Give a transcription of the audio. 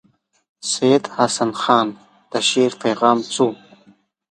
سید حسن خان د شعر پیغام څه وو.